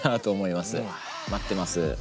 待ってます。